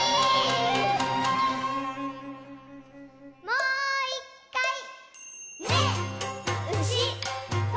もう１かい！